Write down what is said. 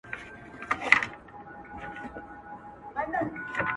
راسره جانانه ستا بلا واخلم.